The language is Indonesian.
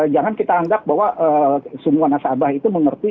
jangan kita anggap bahwa semua nasabah itu mengerti